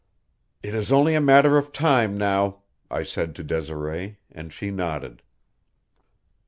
"It is only a matter of time now," I said to Desiree, and she nodded.